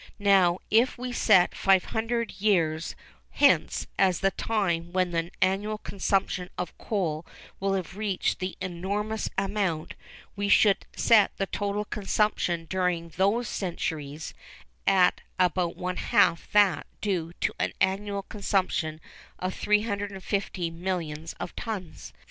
Now, if we set 500 years hence as the time when the annual consumption of coal will have reached the above enormous amount, we should set the total consumption during those centuries at about one half that due to an annual consumption of 350 millions of tons.